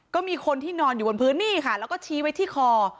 ก็มีคนที่นอนอยู่บนพื้นนี่ค่ะแล้วก็ชี้ไว้ที่คอ